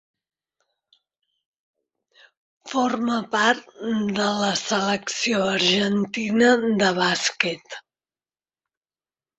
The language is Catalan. Forma part de la selecció argentina de bàsquet.